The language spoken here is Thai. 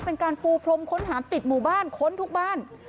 เป็นการปูพรมค้นหาปิดหมู่บ้านค้นทุกบ้าน